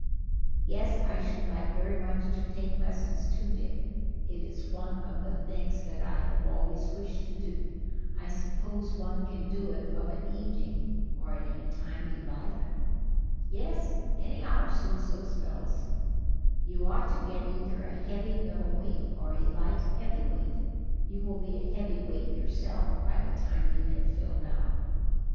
"Yes, I should like very much to take lessons too, Dick; it is one of the things that I have always wished to do. I suppose one can do it of an evening, or any time you like?" "Yes, any hour suits those fellows. You ought to get either a heavy middleweight or a light heavyweight; you will be a heavyweight yourself by the time you have filled out.